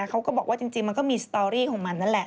เขาก็บอกว่าจริงมันก็มีสตอรี่ของมันนั่นแหละ